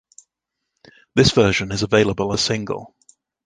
This version is available as a single.